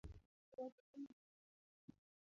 Chogo dhi nade?